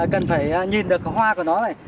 cần phải nhìn được hoa của nó này